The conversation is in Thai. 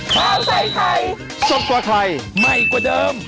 ข้าวใส่ไทยสดกว่าไทยใหม่กว่าเดิม